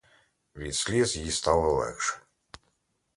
Від сліз їй стало легше.